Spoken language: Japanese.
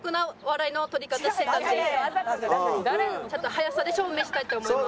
速さで証明したいと思います。